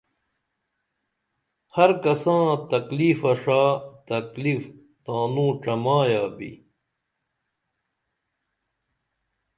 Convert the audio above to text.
ہر کساں تکلیفہ ݜا تکلیف تانوں ڇمایا بی